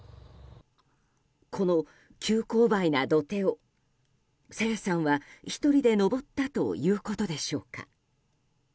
この急勾配な土手を朝芽さんは１人で登ったということでしょうか。